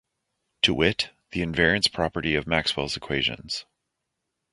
To wit: the invariance property of Maxwell's equations.